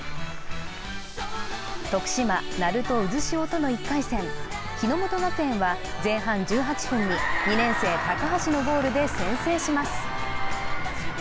徳島・鳴門渦潮との１回戦日ノ本学園は前半１８分に２年生高橋のゴールで先制します。